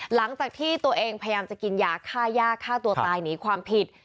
หลังจากที่ตัวเองพยายามจะกินยาฆ่าย่าฆ่าตัวตายหนีความผิด